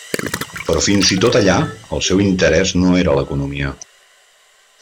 Però fins i tot allà el seu interès no era l'economia.